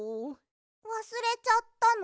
わすれちゃったの？